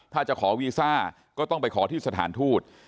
ถ้าจะขอวีซ่าก็ต้องไปขอที่สถานทูต